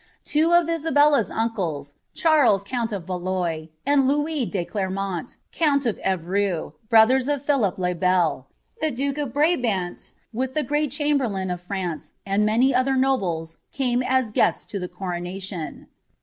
Two of Isabella's uncles, Charle* covoi li alois, and Louis de Clermont, count of Evreux, brothers of PhiUp 1' Bel ;' the duke of Brabant, with the grand chamberlain of rraacc tei many other nobles, came as guests to the coronation.